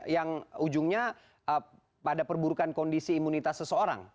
yang ujungnya pada perburukan kondisi imunitas seseorang